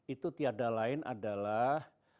itu tiada lain adalah